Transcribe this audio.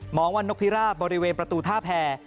งวันนกพิราบบริเวณประตูท่าแพร